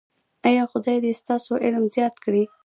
ایا خدای دې ستاسو علم زیات کړي؟